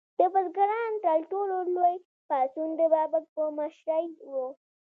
د بزګرانو تر ټولو لوی پاڅون د بابک په مشرۍ و.